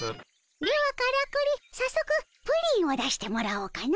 ではからくり早速プリンを出してもらおうかの。